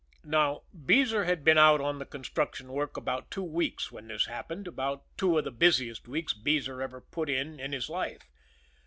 Now, Beezer had been out on the construction work about two weeks when this happened, about two of the busiest weeks Beezer had ever put in in his life.